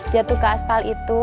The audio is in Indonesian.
jatuh ke aspal itu